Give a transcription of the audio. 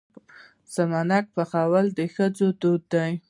سمنک پخول د ښځو دود دی.